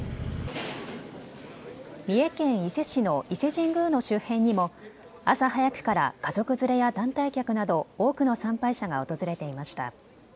三重県伊勢市の伊勢神宮の周辺にも朝早くから家族連れや団体客など多くの参拝者が訪れていました。